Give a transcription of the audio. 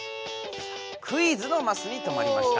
クイズのマスにとまりました。